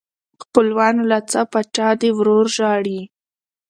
خپلوانو لا څه پاچا دې ورور ژاړي.